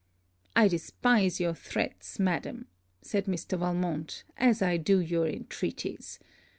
'I despise your threats, madam,' said Mr. Valmont, 'as I do your intreaties.